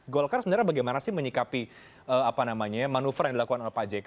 golkar sebenarnya bagaimana sih menyikapi manuver yang dilakukan oleh pak jk